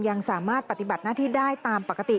ยังสามารถปฏิบัติหน้าที่ได้ตามปกติ